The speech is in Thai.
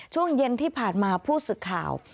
ช่วงเย็นที่ผ่านมาผู้สื่อข่าว